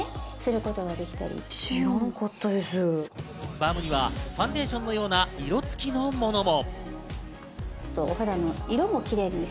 バームにはファンデーションのような色付きのものも。